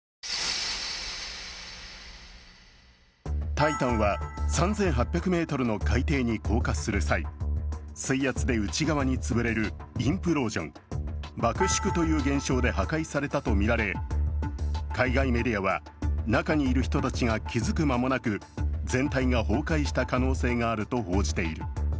「タイタン」は３８００ｍの海底に降下する際水圧で内側に潰れるインプロージョン、爆縮という現象で破壊されたとみられ、海外メディアは中にいる人たちが気付く間もなく全体が崩壊した可能性があると報じている。